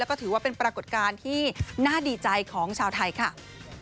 ก็ถือว่าเป็นปรากฏการณ์ที่น่าดีใจของชาวไทยค่ะ